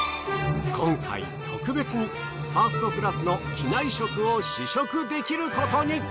今回特別にファーストクラスの機内食を試食できることに。